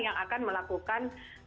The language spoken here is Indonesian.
yang akan melakukan